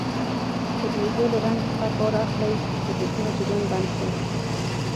که د اوبو له رنګ څخه کار اخلئ د بریښنا جریان بند کړئ.